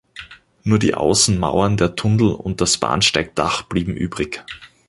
Nur die Außenmauern, der Tunnel und das Bahnsteigdach blieben übrig.